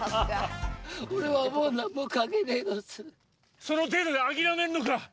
その程度で諦めるのか？